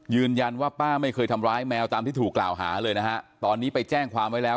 ป้าไม่เคยทำร้ายแมวตามที่ถูกกล่าวหาเลยนะฮะตอนนี้ไปแจ้งความไว้แล้ว